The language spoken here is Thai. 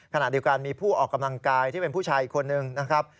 ขณะเดียวกันมีผู้ออกกำลังกายที่เป็นผู้ชายอีกคนนึงนะครับ